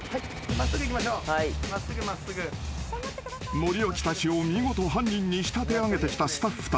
［森脇たちを見事犯人に仕立て上げてきたスタッフたち］